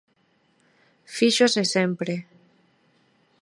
Fíxose sempre.